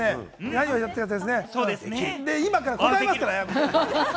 今から答えますからね。